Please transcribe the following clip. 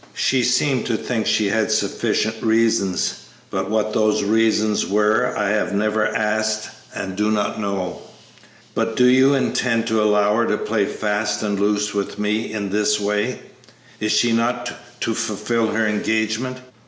She seemed to think she had sufficient reasons, but what those reasons were I have never asked and do not know." "But do you intend to allow her to play fast and loose with me in this way? Is she not to fulfil her engagement?"